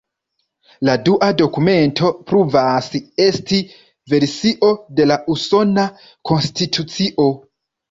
La dua dokumento pruvas esti versio de la Usona Konstitucio.